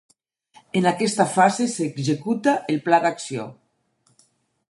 En aquesta fase s'executa el pla d'acció.